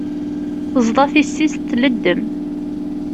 Teẓḍa tissist tleddem.